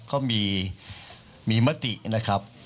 เขามีมตินะครับ